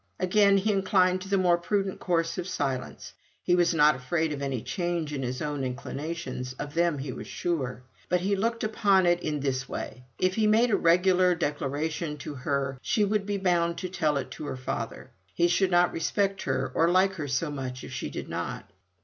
Again he inclined to the more prudent course of silence. He was not afraid of any change in his own inclinations: of them he was sure. But he looked upon it in this way: If he made a regular declaration to her she would be bound to tell it to her father. He should not respect her or like her so much if she did not.